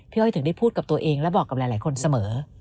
อ้อยถึงได้พูดกับตัวเองและบอกกับหลายคนเสมอ